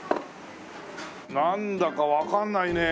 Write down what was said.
なんだかわかんないねえ